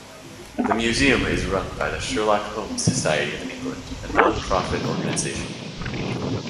The museum is run by the Sherlock Holmes Society of England, a non-profit organisation.